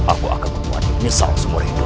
aku akan membuat menyesal seumur hidup